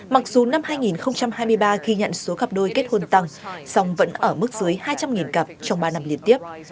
mặc dù năm hai nghìn hai mươi ba ghi nhận số cặp đôi kết hôn tăng song vẫn ở mức dưới hai trăm linh cặp trong ba năm liên tiếp